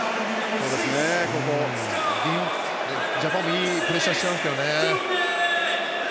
ジャパンもいいプレッシャーしていますけどね。